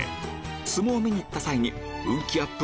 相撲を見に行った際に運気アップ